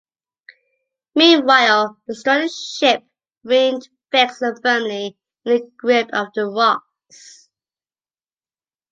Meanwhile, the stranded ship remained fixed firmly in the grip of the rocks.